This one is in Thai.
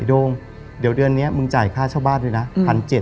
ไอ้โด่งเดี๋ยวเดือนเนี้ยมึงจ่ายค่าเช่าบ้านด้วยนะอืมพันเจ็ด